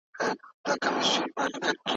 هغه مهال چې ښوونځي فعال وي، بې سوادي ژوره نه شي.